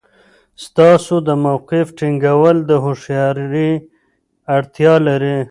ستاسو د موقف ټینګول د هوښیارۍ اړتیا لري.